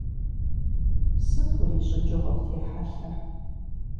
Сыт урищӀыкӀыу къыптехьэлъэр?